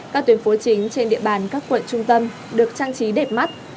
các tuyến phố chính trên địa bàn các quận trung tâm được trang trí đẹp mắt